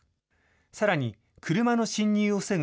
さらに車の進入を防ぐ